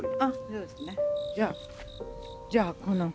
そうですね。